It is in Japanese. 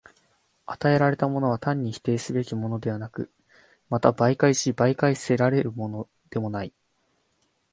与えられたものは単に否定すべきものでもなく、また媒介し媒介せられるものでもない。